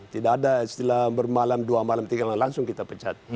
tidak ada setiap malam dua malam tiga langsung kita pecat